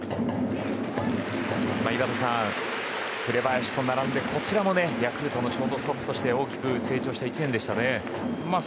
井端さん、紅林と並んでこちらもヤクルトのショートストップとして大きく成長した１年でしたね。